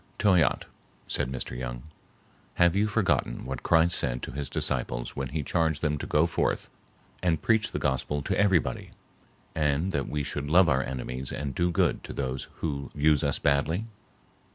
"Toyatte," said Mr. Young, "have you forgotten what Christ said to his disciples when he charged them to go forth and preach the gospel to everybody; and that we should love our enemies and do good to those who use us badly?"